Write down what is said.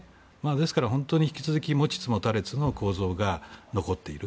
ですから本当に、引き続き持ちつ持たれつの構造が残っている。